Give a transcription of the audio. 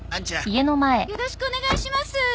よろしくお願いします。